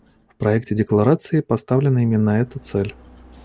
В проекте декларации поставлена именно эта цель.